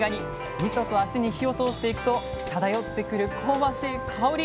みそと脚に火を通していくと漂ってくる香ばしい香り。